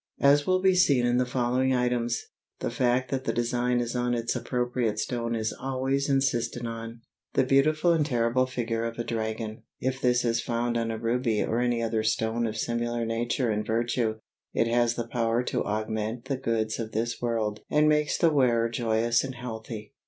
As will be seen in the following items, the fact that the design is on its appropriate stone is always insisted on: [Illustration: MOSS AGATE MOCHA STONES, HINDOOSTAN.] The beautiful and terrible figure of a dragon. If this is found on a ruby or any other stone of similar nature and virtue, it has the power to augment the goods of this world and makes the wearer joyous and healthy.